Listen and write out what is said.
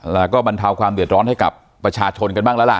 แล้วก็บรรเทาความเดือดร้อนให้กับประชาชนกันบ้างแล้วล่ะ